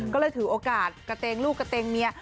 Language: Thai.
ก็เลยถือโอกาสกระเตงลูกกระเตงเมีย